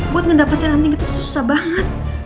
buat ngedapetin ending itu susah banget